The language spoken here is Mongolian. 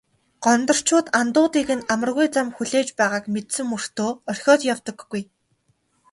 Гондорчууд андуудыг нь амаргүй зам хүлээж байгааг мэдсэн мөртөө орхиод явдаггүй.